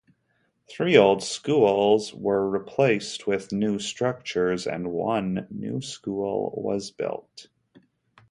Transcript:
Three old schools were replaced with new structures, and one new school was built.